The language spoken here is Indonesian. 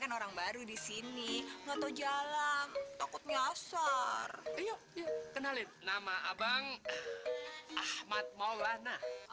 kan orang baru di sini atau jalan takut nyasar kenalin nama abang ahmad maulana